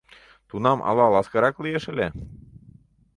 Тунам ала ласкарак лиеш ыле.